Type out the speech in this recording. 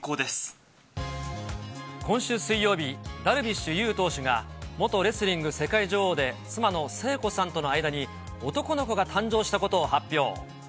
今週水曜日、ダルビッシュ有投手が、元レスリング世界女王で妻の聖子さんとの間に男の子が誕生したことを発表。